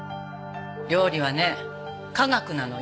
「料理はね科学なのよ」